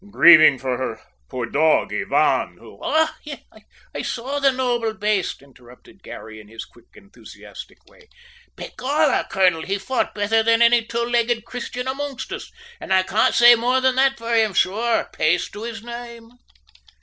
"Grieving for her poor dog Ivan, who " "Och yes, I saw the noble baste," interrupted Garry in his quick, enthusiastic way. "Begorrah, colonel, he fought betther than any two legged Christian amongst us, an' I can't say more than that for him, sure, paice to his name!"